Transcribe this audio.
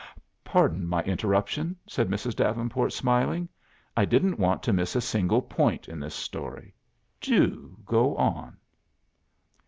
"Pardon my interruption," said Mrs. Davenport, smiling. "I didn't want to miss a single point in this story do go on!"